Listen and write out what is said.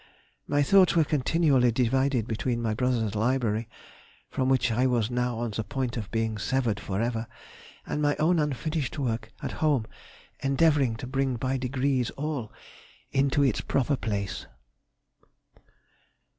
] My thoughts were continually divided between my brother's library, from which I was now on the point of being severed for ever, and my own unfinished work at home endeavouring to bring by degrees all into its proper place."